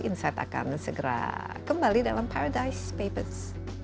insight akan segera kembali dalam paradise papers